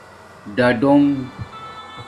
دَڈݸنݣ